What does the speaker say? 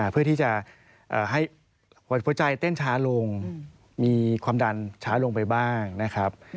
เพื่อที่จะให้หัวใจเต้นช้าลงมีความดันช้าลงไปบ้างนะครับ